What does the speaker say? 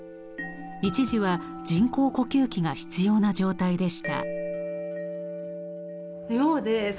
一時は人工呼吸器が必要な状態でした。